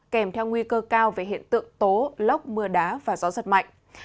kèm theo nguy cơ cao về hiện tượng tố lốc mưa đá và gió giật mạnh